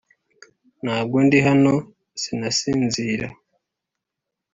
ntabwo ndi hano; sinasinzira.